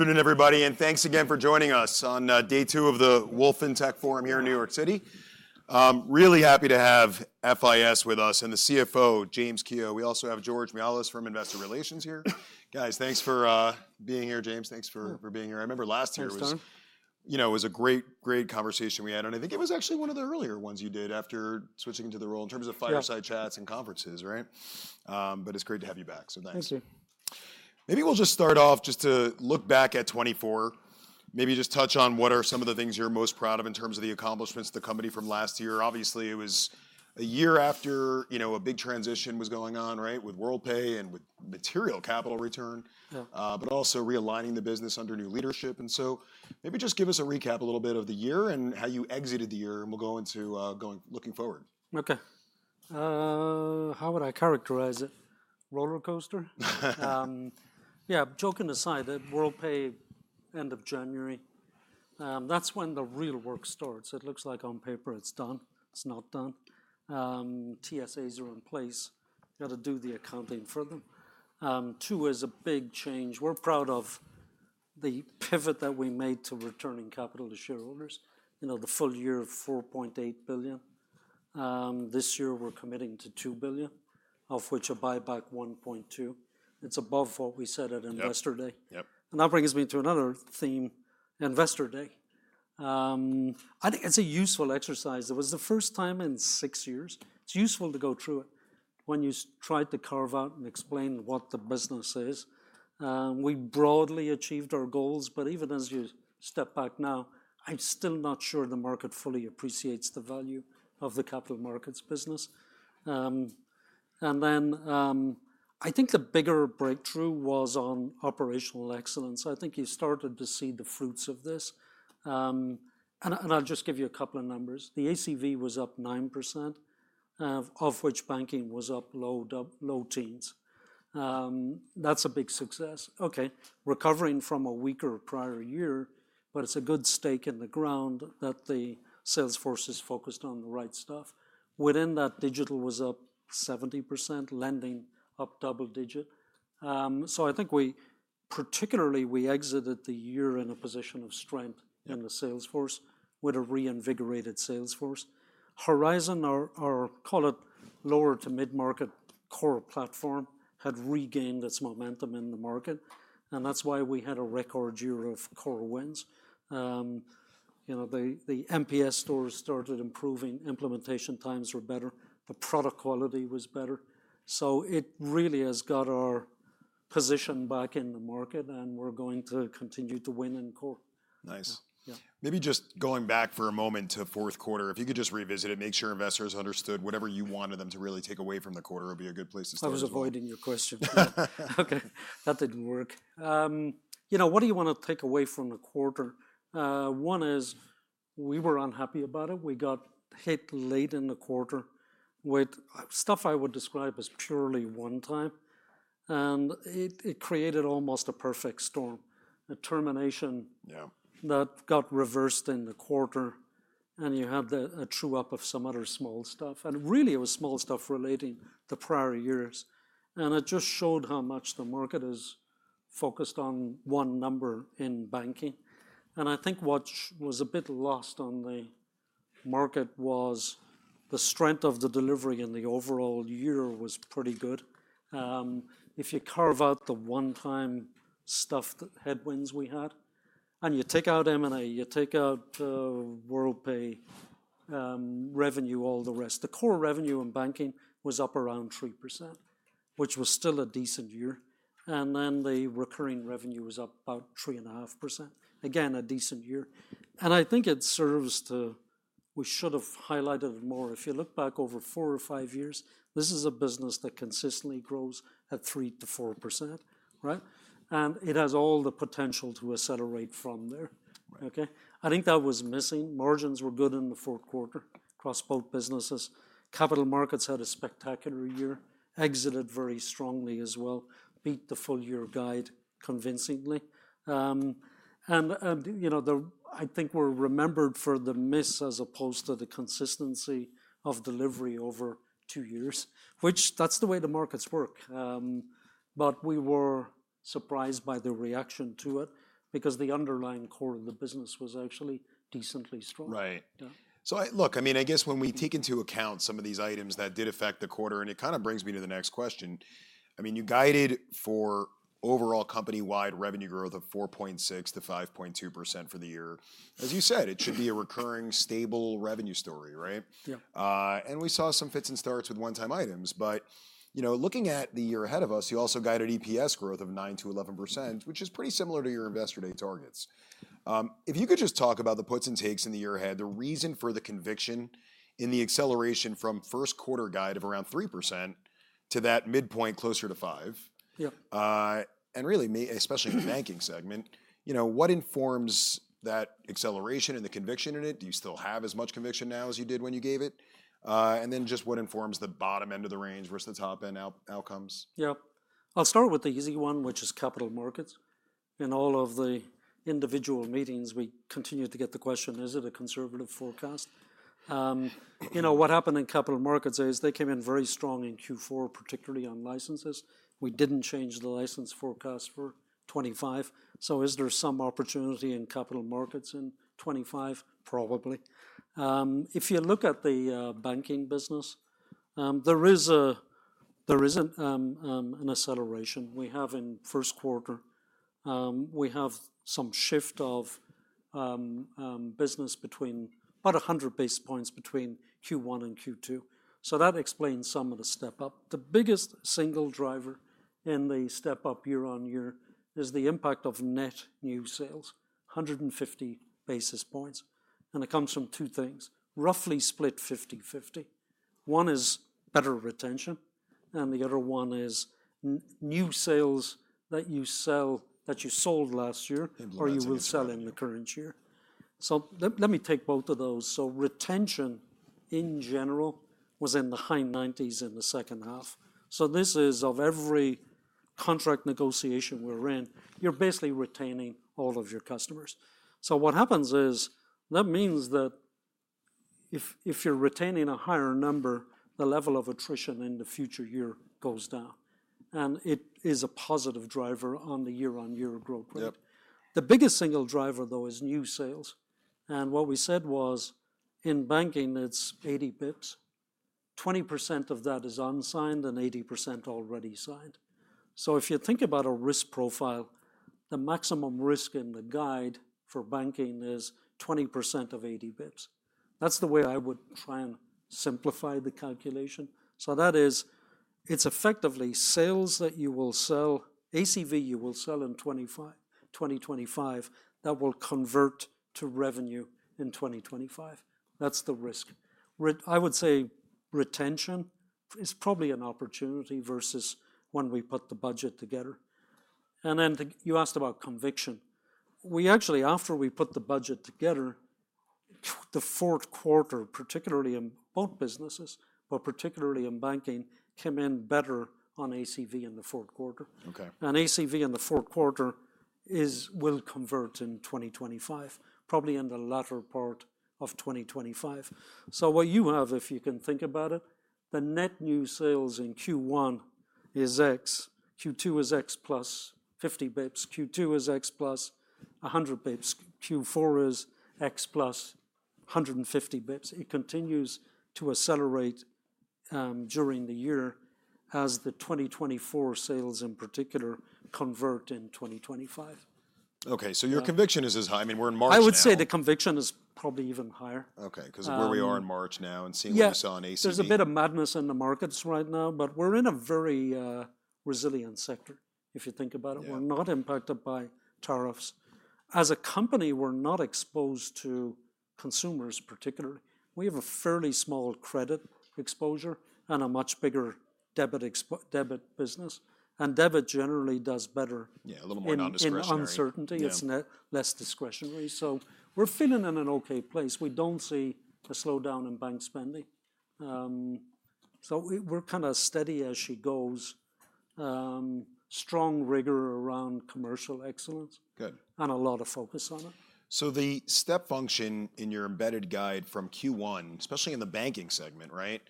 Good afternoon, everybody, and thanks again for joining us on day two of the Wolfe FinTech Forum here in New York City. Really happy to have FIS with us and the CFO, James Kehoe. We also have George Mihalos from Investor Relations here. Guys, thanks for being here. James. Thanks for being here. I remember last year was, you know, it was a great, great conversation we had, and I think it was actually one of the earlier ones you did after switching into the role in terms of fireside chats and conferences, right? It is good to have you back, so thanks. Thank you. Maybe we'll just start off just to look back at 2024, maybe just touch on what are some of the things you're most proud of in terms of the accomplishments of the company from last year. Obviously, it was a year after, you know, a big transition was going on, right, with Worldpay and with material capital return, but also realigning the business under new leadership. Maybe just give us a recap a little bit of the year and how you exited the year, and we'll go into going looking forward. Okay. How would I characterize it? Roller coaster? Yeah. Joking aside, at Worldpay, end of January, that's when the real work starts. It looks like on paper it's done. It's not done. TSAs are in place. You got to do the accounting for them. Two is a big change. We're proud of the pivot that we made to returning capital to shareholders, you know, the full-year of $4.8 billion. This year we're committing to $2 billion, of which a buyback $1.2 billion. It's above what we said at Investor Day. That brings me to another theme, Investor Day. I think it's a useful exercise. It was the first time in six years. It's useful to go through it when you try to carve out and explain what the business is. We broadly achieved our goals, but even as you step back now, I'm still not sure the market fully appreciates the value of the Capital markets business. I think the bigger breakthrough was on operational excellence. I think you started to see the fruits of this. I'll just give you a couple of numbers. The ACV was up 9%, of which banking was up low, low-teens. That's a big success. Okay. Recovering from a weaker prior year, but it's a good stake in the ground that the sales force is focused on the right stuff. Within that, digital was up 70%, lending up double digit. I think we particularly exited the year in a position of strength in the sales force with a reinvigorated sales force. Horizon, or call it lower to mid-market Core platform, had regained its momentum in the market, and that's why we had a record year of Core wins. You know, the NPS scores started improving. Implementation times were better. The product quality was better. It really has got our position back in the market, and we're going to continue to win in Core. Nice. Maybe just going back for a moment to fourth quarter, if you could just revisit it and make sure investors understood whatever you wanted them to really take away from the quarter would be a good place to start. I was avoiding your question. Okay. That did not work. You know, what do you want to take away from the quarter? One is we were unhappy about it. We got hit late in the quarter with stuff I would describe as purely one-time, and it created almost a perfect storm, a termination that got reversed in the quarter, and you had a true-up of some other small stuff. It was small stuff relating to prior years. It just showed how much the market is focused on one number in banking. I think what was a bit lost on the market was the strength of the delivery in the overall year was pretty good. If you carve out the one-time stuff, the headwinds we had, and you take out M&A, you take out Worldpay, revenue, all the rest, the Core revenue in banking was up around 3%, which was still a decent year. The recurring revenue was up about 3.5%. Again, a decent year. I think it serves to, we should have highlighted it more. If you look back over four or five years, this is a business that consistently grows at 3% to 4%, right? It has all the potential to accelerate from there. I think that was missing. Margins were good in the fourth quarter across both businesses. Capital markets had a spectacular year, exited very strongly as well, beat the full-year guide convincingly. You know, I think we're remembered for the miss as opposed to the consistency of delivery over two years, which is the way the markets work. We were surprised by the reaction to it because the underlying Core of the business was actually decently strong. Right. Look, I mean, I guess when we take into account some of these items that did affect the quarter, and it kind of brings me to the next question. I mean, you guided for overall company-wide revenue growth of 4.6% to 5.2% for the year. As you said, it should be a recurring, stable revenue story, right? Yeah. We saw some fits and starts with one-time items. You know, looking at the year ahead of us, you also guided EPS growth of 9% to 11%, which is pretty similar to your Investor Day targets. If you could just talk about the puts and takes in the year ahead, the reason for the conviction in the acceleration from first quarter guide of around 3% to that midpoint closer to 5%, and really especially in the banking segment, you know, what informs that acceleration and the conviction in it? Do you still have as much conviction now as you did when you gave it? Just what informs the bottom end of the range versus the top-end outcomes? Yeah. I'll start with the easy one, which is capital markets. In all of the individual meetings, we continue to get the question, is it a conservative forecast. You know, what happened in capital markets is they came in very strong in Q4, particularly on licenses. We didn't change the license forecast for 2025. Is there some opportunity in capital markets in 2025? Probably. If you look at the banking business, there isn't an acceleration. We have in first quarter, we have some shift of business between about 100 basis points between Q1 and Q2. That explains some of the step-up. The biggest single driver in the step-up year-on-year is the impact of net new sales, 150 basis points. It comes from two things, roughly split 50/50. One is better retention, and the other one is new sales that you sold last year or you will sell in the current year. Let me take both of those. Retention in general was in the high 90s in the second half. This is of every contract negotiation we're in. You're basically retaining all of your customers. What happens is that means that if you're retaining a higher number, the level of attrition in the future year goes down. It is a positive driver on the year-on-year growth rate. The biggest single driver, though, is new sales. What we said was in banking, it's 80 basis points. 20% of that is unsigned and 80% already signed. If you think about a risk profile, the maximum risk in the guide for banking is 20% of 80 basis points. That's the way I would try and simplify the calculation. That is, it's effectively sales that you will sell, ACV you will sell in 2025 that will convert to revenue in 2025. That's the risk. I would say retention is probably an opportunity versus when we put the budget together. You asked about conviction. We actually, after we put the budget together, the fourth quarter, particularly in both businesses, but particularly in banking, came in better on ACV in the fourth quarter. ACV in the fourth quarter will convert in 2025, probably in the latter part of 2025. What you have, if you can think about it, the net new sales in Q1 is X. Q2 is X plus 50 basis points. Q3 is X plus 100 basis points. Q4 is X plus 150 basis points. It continues to accelerate during the year as the 2024 sales in particular convert in 2025. Okay. Your conviction is as high. I mean, we're in March. I would say the conviction is probably even higher. Okay. Because of where we are in March now and seeing what we saw in ACV. There's a bit of madness in the markets right now, but we're in a very resilient sector, if you think about it. We're not impacted by tariffs. As a company, we're not exposed to consumers particularly. We have a fairly small credit exposure and a much bigger debit business. And debit generally does better. Yeah, a little more non-discretionary. Yeah. In uncertainty, it's less discretionary. We're feeling in an okay place. We don't see a slowdown in bank spending. We're kind of steady as she goes. Strong rigor around commercial excellence and a lot of focus on it. The step function in your embedded guide from Q1, especially in the banking segment, right,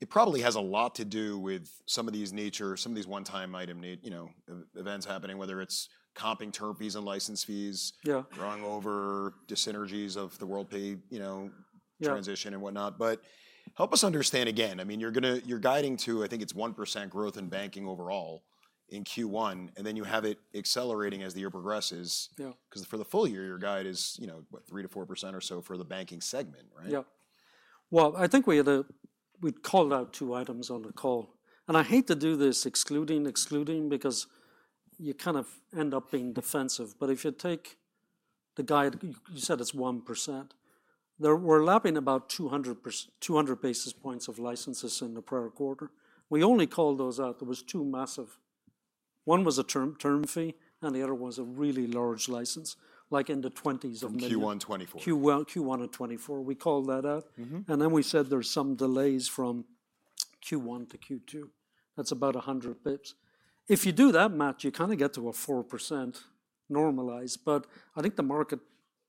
it probably has a lot to do with some of these nature, some of these one-time item, you know, events happening, whether it's comping term fees and license fees, running over dyssynergies of the Worldpay, you know, transition and whatnot. Help us understand again, I mean, you're guiding to, I think it's 1% growth in banking overall in Q1, and then you have it accelerating as the year progresses. Because for the full year, your guide is, you know, what, 3% to 4% or so for the banking segment, right? Yeah. I think we had a, we had called out two items on the call. I hate to do this excluding, excluding because you kind of end up being defensive. If you take the guide, you said it's 1%. We're lapping about 200 basis points of licenses in the prior quarter. We only called those out. There was two massive. One was a term fee, and the other was a really large license, like in the 20s of maybe. Q1 2024. Q1 of 2024, we called that out. Then we said there's some delays from Q1 to Q2. That's about 100 basis points. If you do that, Matt, you kind of get to a 4% normalized. I think the market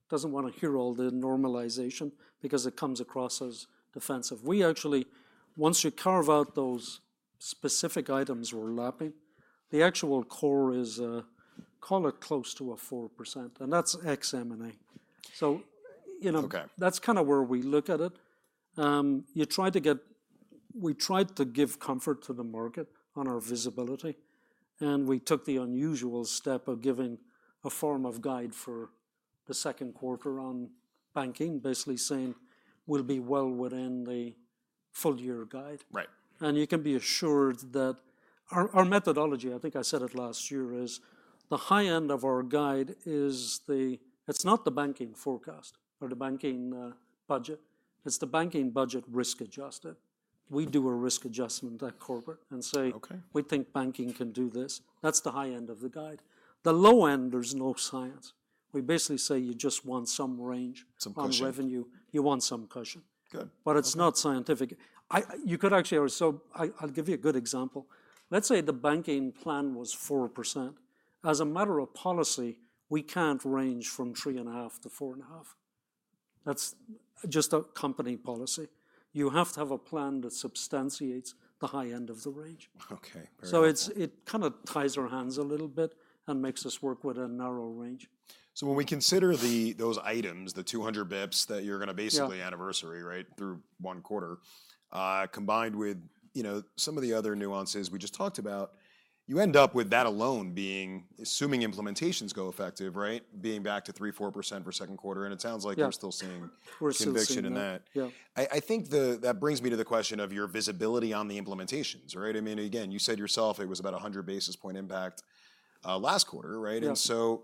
doesn't want to hear all the normalization because it comes across as defensive. We actually, once you carve out those specific items we're lapping, the actual Core is, call it close to a 4%. That's XM&A. You know, that's kind of where we look at it. You try to get, we tried to give comfort to the market on our visibility. We took the unusual step of giving a form of guide for the second quarter on banking, basically saying we'll be well within the full-year guide. You can be assured that our methodology, I think I said it last year, is the high end of our guide is the, it's not the banking forecast or the banking budget. It's the banking budget risk adjusted. We do a risk adjustment at corporate and say, we think banking can do this. That's the high end of the guide. The low end, there's no science. We basically say you just want some range on revenue. You want some cushion. It's not scientific. You could actually, so I'll give you a good example. Let's say the banking plan was 4%. As a matter of policy, we can't range from 3.5% to 4.5%. That's just a company policy. You have to have a plan that substantiates the high end of the range. Okay. It kind of ties our hands a little bit and makes us work with a narrow range. When we consider those items, the 200 basis points that you're going to basically anniversary, right, through one quarter, combined with, you know, some of the other nuances we just talked about, you end up with that alone being, assuming implementations go effective, right, being back to 3%-4% for second quarter. It sounds like you're still seeing conviction in that. I think that brings me to the question of your visibility on the implementations, right? I mean, again, you said yourself it was about 100 basis point impact last quarter, right? And so,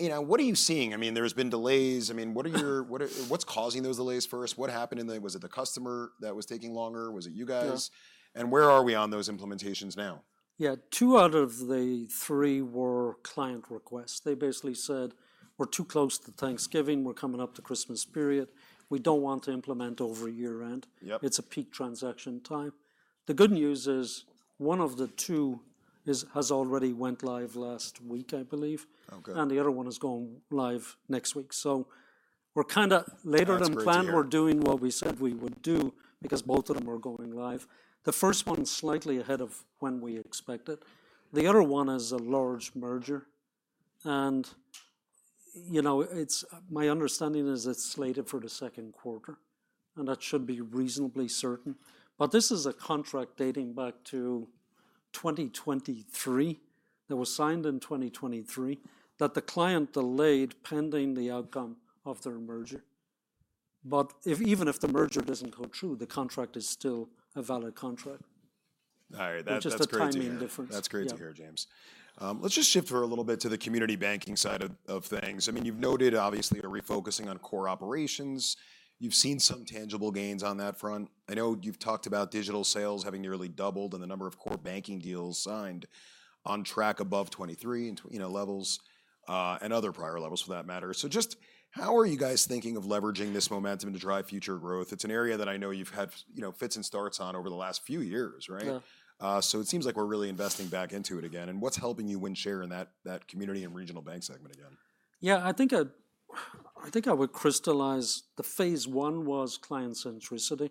you know, what are you seeing? I mean, there have been delays. I mean, what are your, what's causing those delays first? What happened in there? Was it the customer that was taking longer? Was it you guys? And where are we on those implementations now? Yeah. Two out of the three were client requests. They basically said, we're too close to Thanksgiving. We're coming up to Christmas period. We don't want to implement over year-end. It's a peak transaction time. The good news is one of the two has already went live last week, I believe. The other one is going live next week. We're kind of later than planned, we're doing what we said we would do because both of them are going live. The first one is slightly ahead of when we expect it. The other one is a large merger. You know, my understanding is it's slated for the second quarter. That should be reasonably certain. This is a contract dating back to 2023 that was signed in 2023 that the client delayed pending the outcome of their merger. Even if the merger doesn't go through, the contract is still a valid contract. All right. That's a great point. It's just a timing difference. That's great to hear, James. Let's just shift for a little bit to the community banking side of things. I mean, you've noted obviously you're refocusing on Core operations. You've seen some tangible gains on that front. I know you've talked about digital sales having nearly doubled and the number of Core banking deals signed on track above 23 and, you know, levels and other prior levels for that matter. Just how are you guys thinking of leveraging this momentum to drive future growth? It's an area that I know you've had, you know, fits and starts on over the last few years, right? It seems like we're really investing back into it again. What's helping you win share in that community and regional bank segment again? Yeah. I think I would crystallize the phase I was client centricity.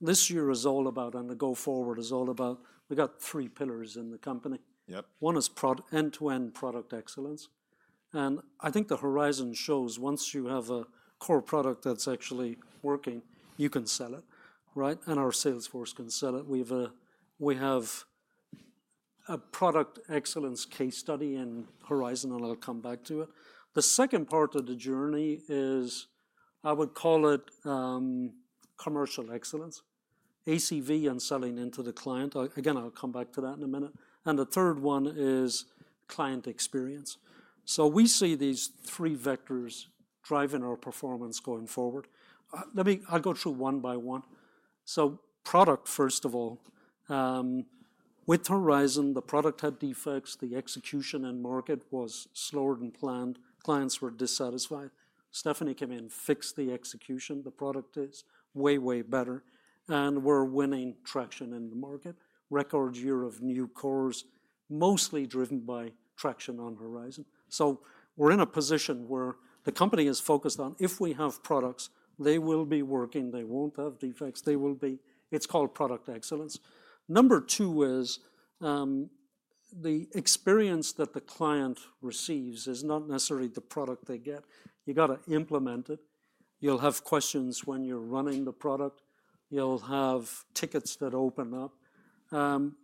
This year is all about, and the go forward is all about, we got three pillars in the company. One is end-to-end product excellence. I think the Horizon shows once you have a Core product that's actually working, you can sell it, right? Our sales force can sell it. We have a product excellence case study in Horizon, and I'll come back to it. The second part of the journey is, I would call it commercial excellence, ACV and selling into the client. Again, I'll come back to that in a minute. The third one is client experience. We see these three vectors driving our performance going forward. Let me, I'll go through one by one. Product, first of all, with Horizon, the product had defects. The execution and market was slower than planned. Clients were dissatisfied. Stephanie came in and fixed the execution. The product is way, way better. We're winning traction in the market. Record year of new Core's, mostly driven by traction on Horizon. We're in a position where the company is focused on if we have products, they will be working. They won't have defects. They will be, it's called product excellence. Number two is the experience that the client receives is not necessarily the product they get. You got to implement it. You'll have questions when you're running the product. You'll have tickets that open up.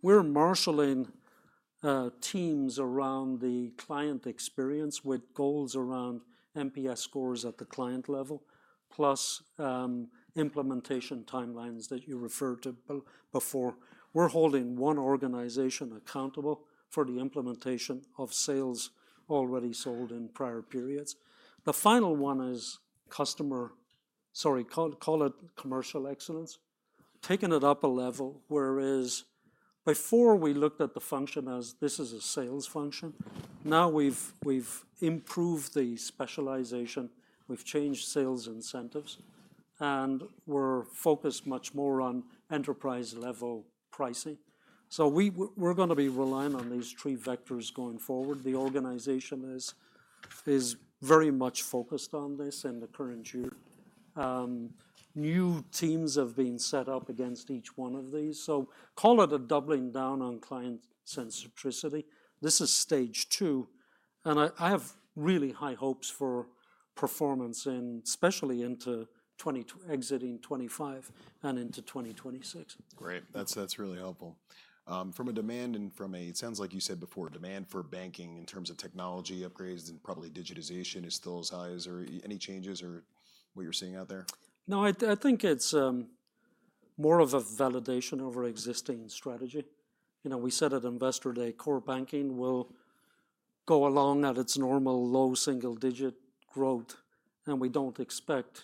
We're marshaling teams around the client experience with goals around NPS scores at the client level, plus implementation timelines that you referred to before. We're holding one organization accountable for the implementation of sales already sold in prior periods. The final one is customer, sorry, call it commercial excellence, taking it up a level whereas before we looked at the function as this is a sales function. Now we've improved the specialization. We've changed sales incentives. We're focused much more on enterprise-level pricing. We're going to be relying on these three vectors going forward. The organization is very much focused on this in the current year. New teams have been set up against each one of these. Call it a doubling down on client centricity. This is stage two. I have really high hopes for performance in, especially into exiting 2025 and into 2026. Great. That's really helpful. From a demand and from a, it sounds like you said before, demand for banking in terms of technology upgrades and probably digitization is still as high. Is there any changes or what you're seeing out there? No, I think it's more of a validation of our existing strategy. You know, we said at Investor Day, core banking will go along at its normal low single-digit growth. We don't expect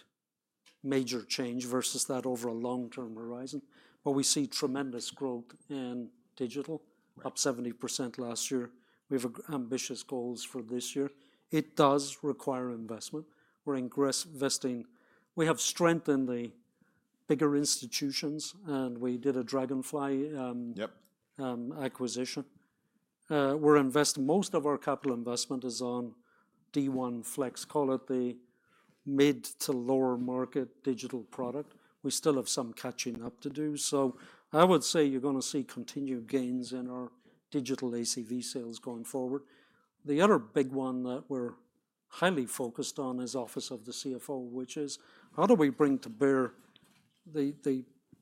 major change versus that over a long-term horizon. We see tremendous growth in digital, up 70% last year. We have ambitious goals for this year. It does require investment. We're investing. We have strengthened the bigger institutions, and we did a Dragonfly acquisition. We're investing. Most of our capital investment is on D1 Flex, call it the mid to lower market digital product. We still have some catching up to do. I would say you're going to see continued gains in our digital ACV sales going forward. The other big one that we're highly focused on is Office of the CFO, which is how do we bring to bear the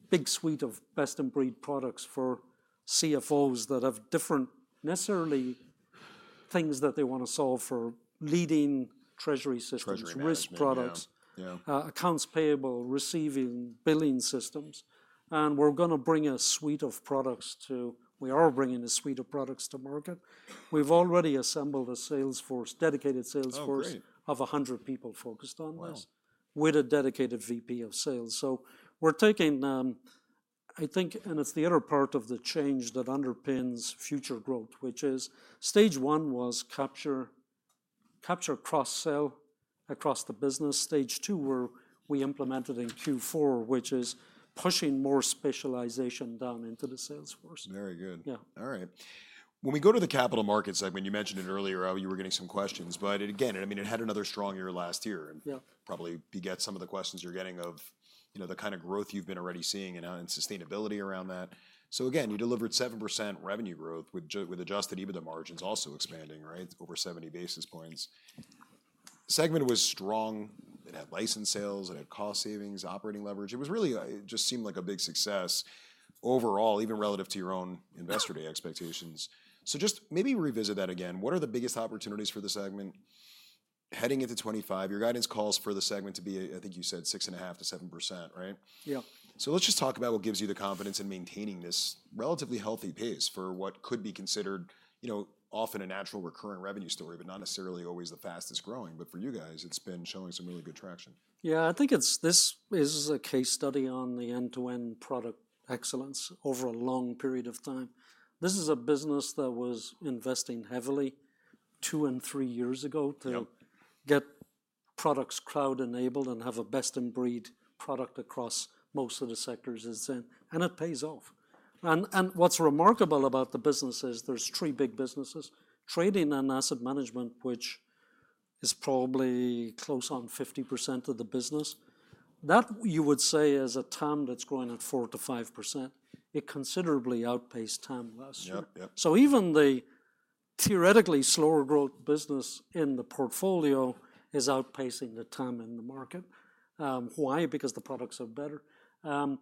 big suite of best-in-breed products for CFOs that have different necessarily things that they want to solve for, leading treasury systems, risk products, accounts payable, receiving, billing systems. We are going to bring a suite of products to market. We have already assembled a sales force, dedicated sales force of 100 people focused on this with a dedicated VP of Sales. I think it's the other part of the change that underpins future growth, which is stage one was capture, capture cross-sale across the business. Stage two where we implemented in Q4, is pushing more specialization down into the sales force. Very good. All right. When we go to the capital markets, I mean, you mentioned it earlier, you were getting some questions, but again, I mean, it had another strong year last year and probably begets some of the questions you're getting of, you know, the kind of growth you've been already seeing and sustainability around that. Again, you delivered 7% revenue growth with adjusted EBITDA margins also expanding, right, over 70 basis points. Segment was strong. It had license sales. It had cost savings, operating leverage. It was really, it just seemed like a big success overall, even relative to your own Investor Day expectations. Just maybe revisit that again. What are the biggest opportunities for the segment heading into 2025? Your guidance calls for the segment to be, I think you said 6.5% to 7%, right? Yeah. Let's just talk about what gives you the confidence in maintaining this relatively healthy pace for what could be considered, you know, often a natural recurrent revenue story, but not necessarily always the fastest growing. For you guys, it's been showing some really good traction. Yeah, I think this is a case study on the end-to-end product excellence over a long period of time. This is a business that was investing heavily two and three years ago to get products crowd-enabled and have a best-in-breed product across most of the sectors it's in. It pays off. What's remarkable about the business is there's three big businesses, trading and asset management, which is probably close on 50% of the business. That you would say is a TAM that's growing at 4% to 5%. It considerably outpaced TAM last year. Even the theoretically slower growth business in the portfolio is outpacing the TAM in the market. Why? Because the products are better. The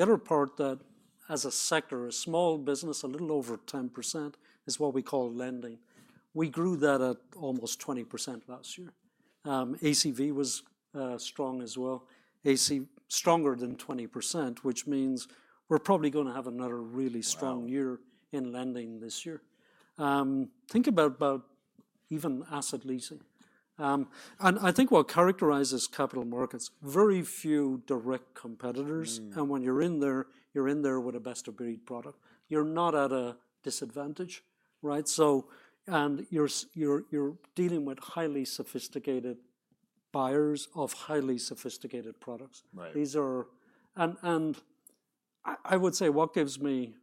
other part that as a sector, a small business, a little over 10%, is what we call lending. We grew that at almost 20% last year. ACV was strong as well, stronger than 20%, which means we're probably going to have another really strong year in lending this year. Think about even asset leasing. I think what characterizes capital markets, very few direct competitors. When you're in there, you're in there with a best-in-breed product. You're not at a disadvantage, right? You're dealing with highly sophisticated buyers of highly sophisticated products. These are, and I would say what gives me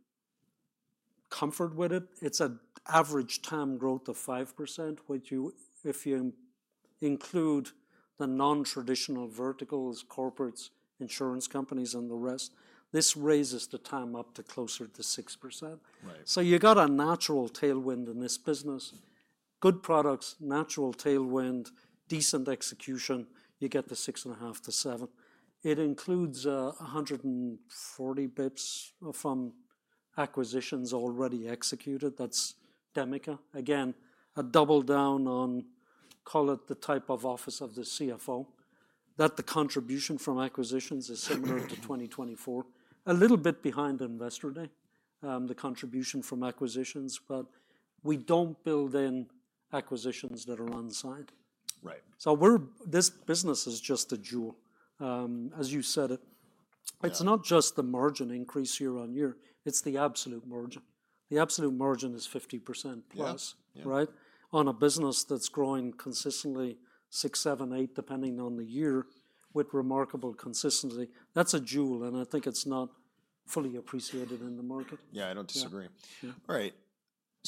comfort with it, it's an average TAM growth of 5%, which you, if you include the non-traditional verticals, corporates, insurance companies, and the rest, this raises the TAM up to closer to 6%. You got a natural tailwind in this business. Good products, natural tailwind, decent execution, you get the 6.5% to 7%. It includes 140 basis points from acquisitions already executed. That's Demica. Again, a double down on, call it the type of Office of the CFO, that the contribution from acquisitions is similar to 2024. A little bit behind Investor Day, the contribution from acquisitions, but we do not build in acquisitions that are unsigned. This business is just a jewel. As you said it, it is not just the margin increase year on year. It is the absolute margin. The absolute margin is 50% plus, right? On a business that is growing consistently six, seven, eight, depending on the year with remarkable consistency. That is a jewel. I think it is not fully appreciated in the market. Yeah, I don't disagree.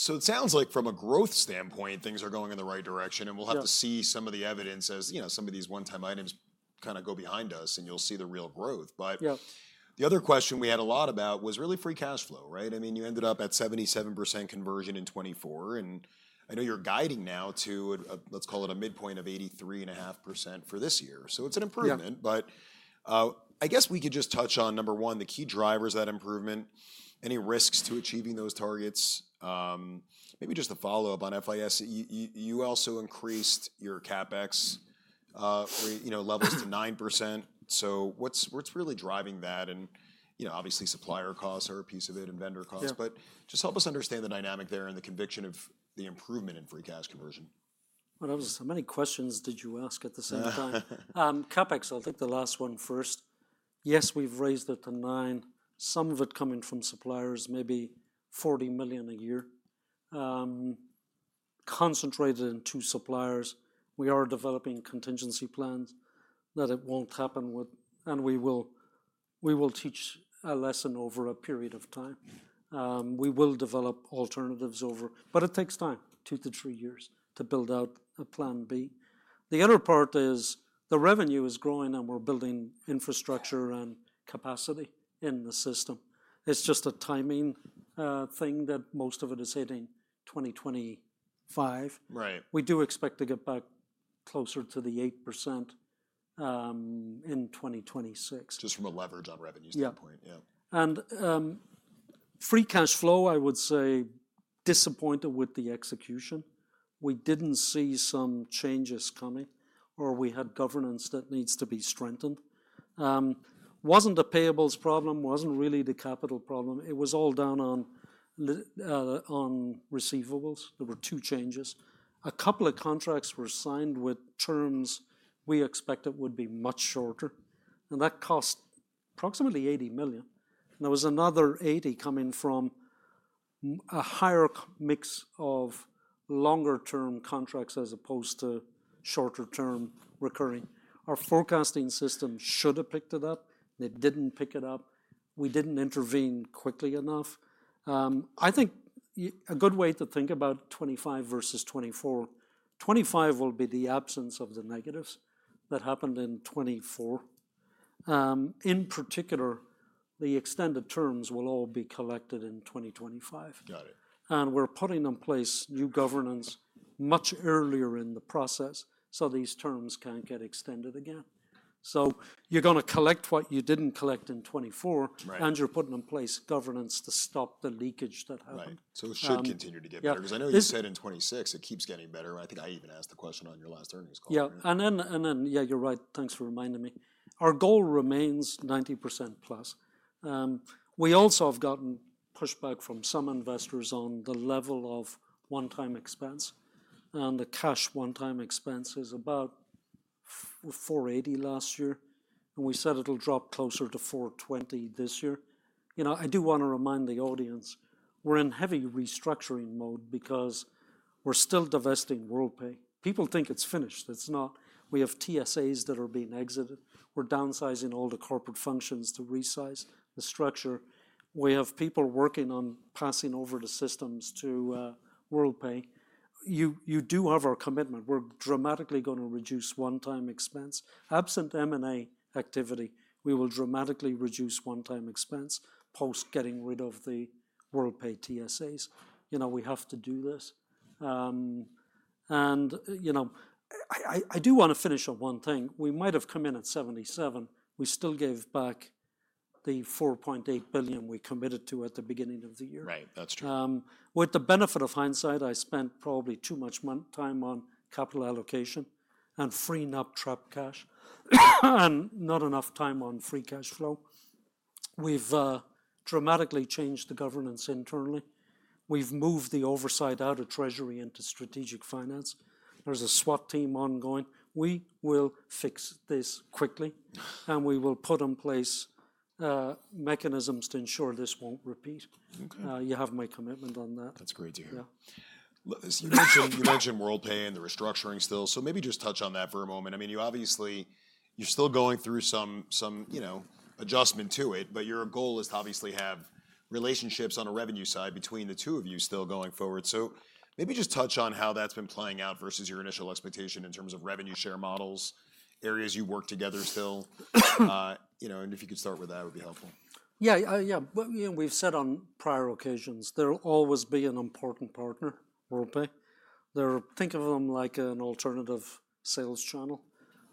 All right. It sounds like from a growth standpoint, things are going in the right direction. We'll have to see some of the evidence as, you know, some of these one-time items kind of go behind us and you'll see the real growth. The other question we had a lot about was really free cash flow, right? I mean, you ended up at 77% conversion in 2024. I know you're guiding now to, let's call it a midpoint of 83.5% for this year. It's an improvement. We could just touch on number one, the key drivers of that improvement, any risks to achieving those targets. Maybe just a follow-up on FIS. You also increased your CapEx, you know, levels to 9%. What's really driving that? You know, obviously supplier costs are a piece of it and vendor costs. Just help us understand the dynamic there and the conviction of the improvement in free cash conversion. There was, how many questions did you ask at the same time? CapEx, I'll take the last one first. Yes, we've raised it to nine. Some of it coming from suppliers, maybe $40 million a year, concentrated in two suppliers. We are developing contingency plans that it won't happen with, and we will teach a lesson over a period of time. We will develop alternatives over, but it takes time, two to three years to build out a plan B. The other part is the revenue is growing and we're building infrastructure and capacity in the system. It's just a timing thing that most of it is hitting 2025. We do expect to get back closer to the 8% in 2026. Just from a leverage on revenue standpoint. Yeah. Free cash flow, I would say disappointed with the execution. We did not see some changes coming or we had governance that needs to be strengthened. It was not the payables problem. It was not really the capital problem. It was all down on receivables. There were two changes. A couple of contracts were signed with terms we expected would be much shorter, and that cost approximately $80 million. There was another $80 million coming from a higher mix of longer-term contracts as opposed to shorter-term recurring. Our forecasting system should have picked it up. They did not pick it up. We did not intervene quickly enough. I think a good way to think about 2025 versus 2024, 2025 will be the absence of the negatives that happened in 2024. In particular, the extended terms will all be collected in 2025 We're putting in place new governance much earlier in the process so these terms can't get extended again. You're going to collect what you didn't collect in 2024 and you're putting in place governance to stop the leakage that happened. It should continue to get better. Because I know you said in 2026, it keeps getting better. I think I even asked the question on your last earnings call. Yeah. Yeah, you're right. Thanks for reminding me. Our goal remains 90% plus. We also have gotten pushback from some investors on the level of one-time expense. The cash one-time expense is about $480 million last year. We said it'll drop closer to $420 million this year. You know, I do want to remind the audience, we're in heavy restructuring mode because we're still divesting Worldpay. People think it's finished. It's not. We have TSAs that are being exited. We're downsizing all the corporate functions to resize the structure. We have people working on passing over the systems to Worldpay. You do have our commitment. We're dramatically going to reduce one-time expense. Absent M&A activity, we will dramatically reduce one-time expense post getting rid of the Worldpay TSAs. You know, we have to do this. You know, I do want to finish on one thing. We might have come in at 77. We still gave back the $4.8 billion we committed to at the beginning of the year. Right. That's true. With the benefit of hindsight, I spent probably too much time on capital allocation and freeing up trapped cash and not enough time on free cash flow. We've dramatically changed the governance internally. We've moved the oversight out of treasury into strategic finance. There's a SWOT team ongoing. We will fix this quickly and we will put in place mechanisms to ensure this won't repeat. You have my commitment on that. That's great to hear. You mentioned Worldpay and the restructuring still. Maybe just touch on that for a moment. I mean, you obviously, you're still going through some, you know, adjustment to it, but your goal is to obviously have relationships on a revenue side between the two of you still going forward. Maybe just touch on how that's been playing out versus your initial expectation in terms of revenue share models, areas you work together still. You know, and if you could start with that, it would be helpful. Yeah. Yeah. We've said on prior occasions, they'll always be an important partner, Worldpay. Think of them like an alternative sales channel.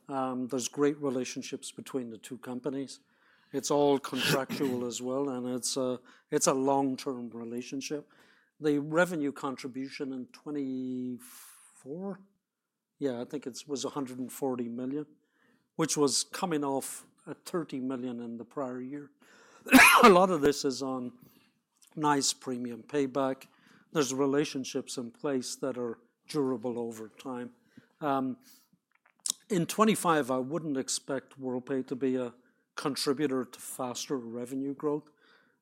There's great relationships between the two companies. It's all contractual as well. It's a long-term relationship. The revenue contribution in 2024, yeah, I think it was $140 million, which was coming off at $30 million in the prior year. A lot of this is on nice premium payback. There's relationships in place that are durable over time. In 2025, I wouldn't expect Worldpay to be a contributor to faster revenue growth.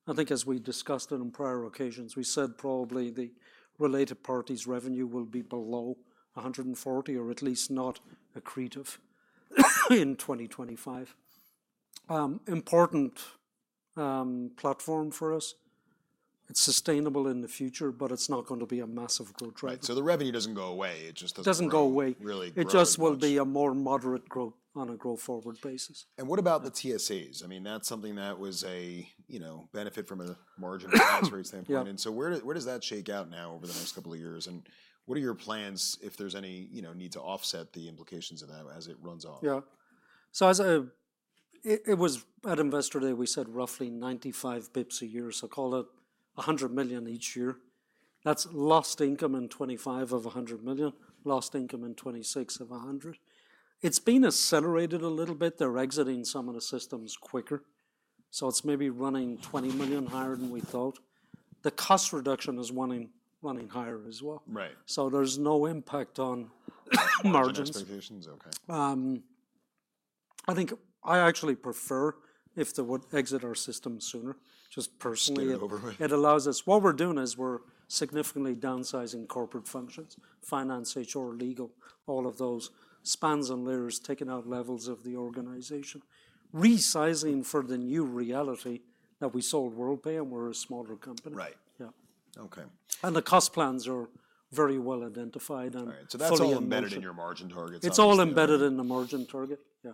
I think as we discussed it on prior occasions, we said probably the related parties' revenue will be below $140 million or at least not accretive in 2025. Important platform for us. It's sustainable in the future, but it's not going to be a massive growth drive. The revenue doesn't go away. It just doesn't. It doesn't go away. It just will be a more moderate growth on a growth forward basis. What about the TSAs? I mean, that's something that was a, you know, benefit from a margin or tax rate standpoint. Where does that shake out now over the next couple of years? What are your plans if there's any, you know, need to offset the implications of that as it runs off? Yeah. It was at Investor Day, we said roughly 95 basis points a year so call it $100 million each year. That's lost income in 2025 of $100 million, lost income in 2026 of $100 million. It's been accelerated a little bit. They're exiting some of the systems quicker. It's maybe running $20 million higher than we thought. The cost reduction is running higher as well. There's no impact on margins. Expectations. Okay. I think I actually prefer if they would exit our system sooner, just personally. It allows us, what we're doing is we're significantly downsizing corporate functions, finance, HR, legal, all of those spans and layers, taking out levels of the organization, resizing for the new reality that we sold Worldpay and we're a smaller company. Yeah. The cost plans are very well identified. That is all embedded in your margin target. It's all embedded in the margin target. Yeah.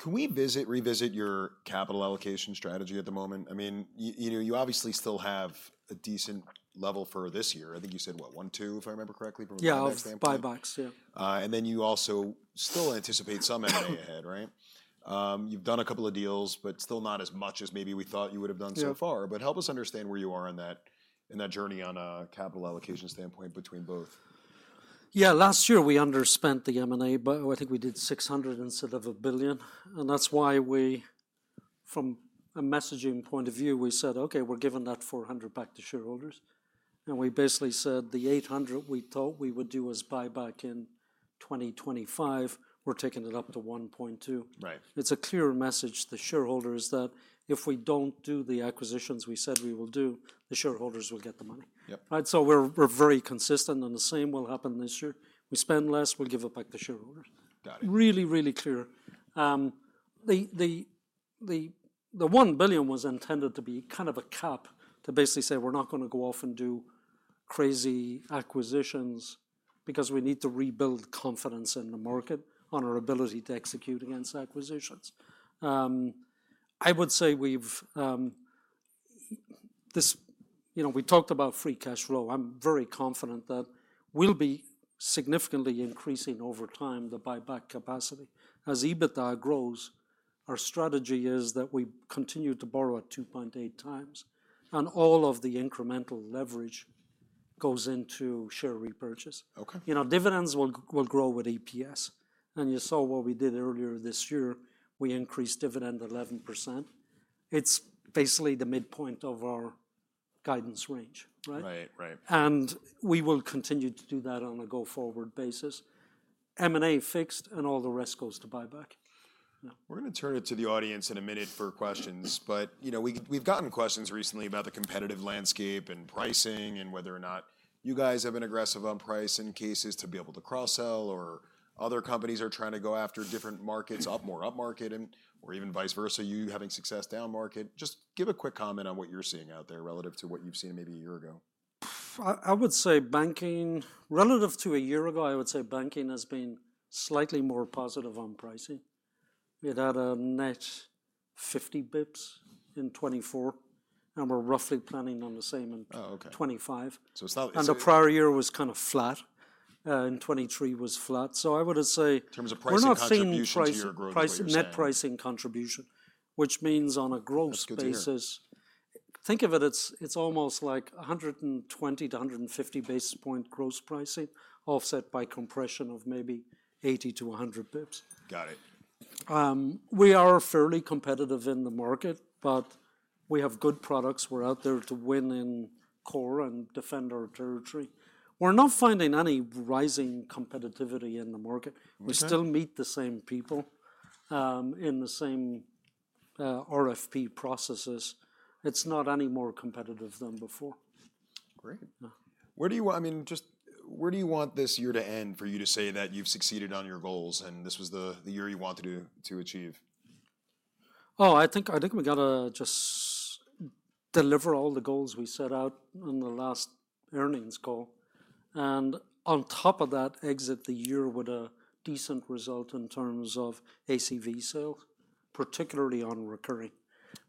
Can we revisit your capital allocation strategy at the moment? I mean, you know, you obviously still have a decent level for this year. I think you said what, $1.2 billion, if I remember correctly from a revenue standpoint. Yeah, buybacks. Yeah. You also still anticipate some M&A ahead, right? You've done a couple of deals, but still not as much as maybe we thought you would have done so far. Help us understand where you are in that journey on a capital allocation standpoint between both. Yeah. Last year we underspent the M&A, but I think we did $600 million instead of $1 billion. That is why we, from a messaging point of view, said, okay, we are giving that $400 million back to shareholders. We basically said the $800 million we thought we would do as buyback in 2025, we are taking it up to $1.2 billion. It is a clear message to the shareholders that if we do not do the acquisitions we said we will do, the shareholders will get the money. Yeah. We are very consistent and the same will happen this year. If we spend less, we will give it back to shareholders. Really, really clear. The $1 billion was intended to be kind of a cap to basically say we are not going to go off and do crazy acquisitions because we need to rebuild confidence in the market on our ability to execute against acquisitions. I would say we've, you know, we talked about free cash flow. I'm very confident that we'll be significantly increasing over time the buyback capacity. As EBITDA grows, our strategy is that we continue to borrow at 2.8 times and all of the incremental leverage goes into share repurchase. You know, dividends will grow with EPS. You saw what we did earlier this year. We increased dividend 11%. It's basically the midpoint of our guidance range, right? We will continue to do that on a go-forward basis. M&A fixed and all the rest goes to buyback. We're going to turn it to the audience in a minute for questions. You know, we've gotten questions recently about the competitive landscape and pricing and whether or not you guys have been aggressive on price in cases to be able to cross-sell or other companies are trying to go after different markets, more up market and or even vice versa, you having success down market. Just give a quick comment on what you're seeing out there relative to what you've seen maybe a year ago. I would say banking, relative to a year ago, I would say banking has been slightly more positive on pricing. It had a net 50 basis points in 2024 and we're roughly planning on the same in 2025. The prior year was kind of flat. In 2023 was flat. I would say we're not seeing net pricing contribution, which means on a growth basis, think of it, it's almost like 120 basis points to 150 basis points growth pricing offset by compression of maybe 80 basis points to 100 basis points. We are fairly competitive in the market, but we have good products. We're out there to win in Core and defend our territory. We're not finding any rising competitivity in the market. We still meet the same people in the same RFP processes. It's not any more competitive than before. Great. Where do you want, I mean, just where do you want this year to end for you to say that you've succeeded on your goals and this was the year you wanted to achieve? Oh, I think we got to just deliver all the goals we set out in the last earnings call. On top of that, exit the year with a decent result in terms of ACV sales, particularly on recurring.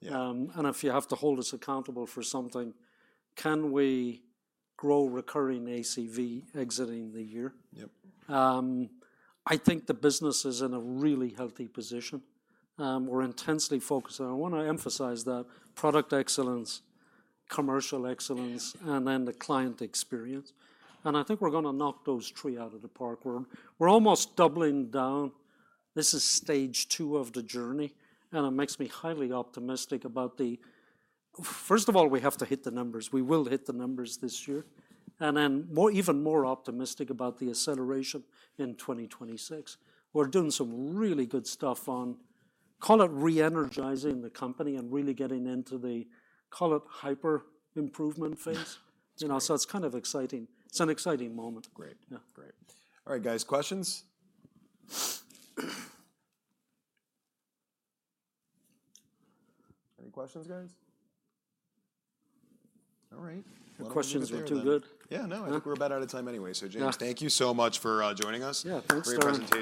If you have to hold us accountable for something, can we grow recurring ACV exiting the year? I think the business is in a really healthy position. We're intensely focused. I want to emphasize that product excellence, commercial excellence, and then the client experience. I think we're going to knock those three out of the park. We're almost doubling down. This is stage two of the journey. It makes me highly optimistic about the, first of all, we have to hit the numbers. We will hit the numbers this year. I am even more optimistic about the acceleration in 2026. We're doing some really good stuff on, call it re-energizing the company and really getting into the, call it hyper improvement phase. You know, so it's kind of exciting. It's an exciting moment. Great. Great. All right, guys, questions? Any questions, guys? All right. Your questions were too good. Yeah. No, I think we're about out of time anyway. James, thank you so much for joining us. Yeah. Thanks for the invitation.